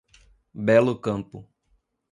Belo Campo